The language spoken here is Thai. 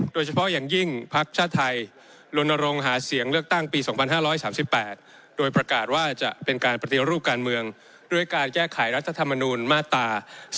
โดยประกาศว่าจะเป็นการปฏิรูปการเมืองด้วยการแก้ไขรัฐธรรมนูญมาตร๒๑๑